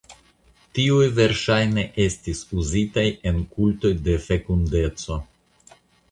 Tiuj verŝajne estis uzitaj en kultoj de fekundeco.